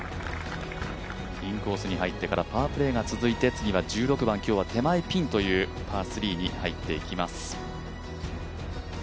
インコースに入ってからパープレーが続いて次は１６番、手前ピンというパー３に入っていきます。